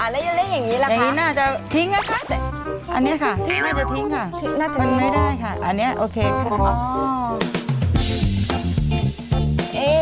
แล้วเล่นอย่างนี้ล่ะคะอย่างนี้น่าจะทิ้งนะคะอันนี้ค่ะน่าจะทิ้งค่ะมันไม่ได้ค่ะอันนี้โอเคค่ะ